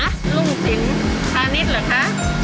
รุ่งสินพานิตเหรอคะ